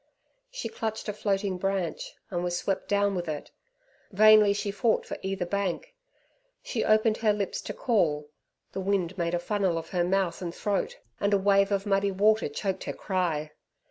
She clutched a floating branch, and was swept down with it. Vainly she fought for either bank. She opened her lips to call. The wind made a funnel of her mouth and throat, and a wave of muddy water choked her cry.